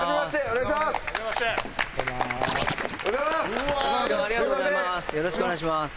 ありがとうございます。